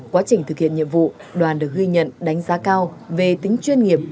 quá trình thực hiện nhiệm vụ đoàn được ghi nhận đánh giá cao về tính chuyên nghiệp